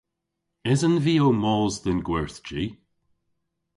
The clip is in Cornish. Esen vy ow mos dhe'n gwerthji?